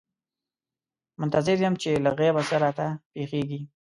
منتظر یم چې له غیبه څه راته پېښېږي.